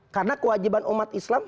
karena kewajiban umat islam